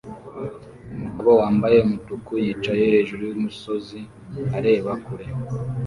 Umugabo wambaye umutuku yicaye hejuru yumusozi areba kure